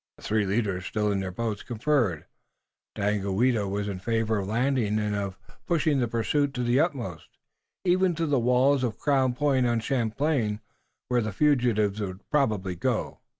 The three leaders, still in their boats, conferred. Daganoweda was in favor of landing and of pushing the pursuit to the utmost, even to the walls of Crown Point on Champlain, where the fugitives would probably go.